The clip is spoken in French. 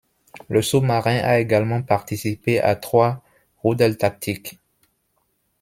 Le sous-marin a également participé à trois Rudeltaktik.